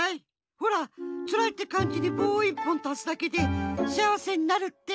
ほら「辛い」ってかんじにぼうをいっぽんたすだけで「幸せ」になるって。